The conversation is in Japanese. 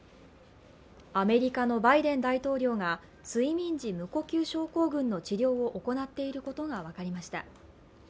アメリカのバイデン大統領が睡眠時無呼吸症候群の治療を行っていることが分かりました。